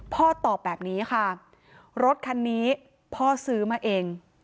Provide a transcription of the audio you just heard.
ตอบแบบนี้ค่ะรถคันนี้พ่อซื้อมาเอง